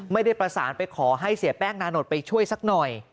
ไม่ได้ประสานไปขอให้เสียแป้งนานดไปช่วยสักหน่อย